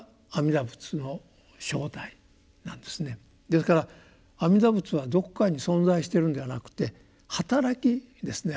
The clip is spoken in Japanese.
ですから阿弥陀仏はどこかに存在してるんではなくて働きですね。